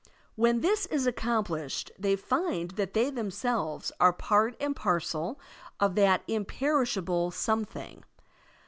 When this is accomplished, they find that they themselves are part and parcel of that imperishable some thing.